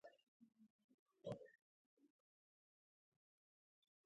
حلیمې د علاوالدین پټ کړی زوړ څراغ راواخیست.